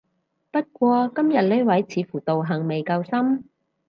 不過今日呢位似乎道行未夠深